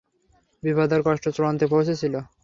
বিপদ আর কষ্ট চূড়ান্তে পৌঁছেছিল।